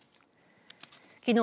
きのう